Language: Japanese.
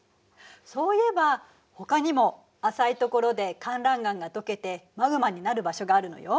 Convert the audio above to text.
そういえばほかにも浅いところでかんらん岩がとけてマグマになる場所があるのよ。